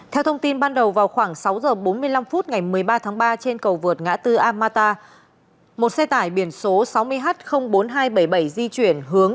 theo thông tin ban đầu vào khoảng sáu giờ bốn mươi năm phút ngày một mươi ba tháng ba trên cầu vượt ngã tư amata một xe tải biển số sáu mươi h bốn nghìn hai trăm bảy mươi bảy di chuyển hướng từ thành phố biên hòa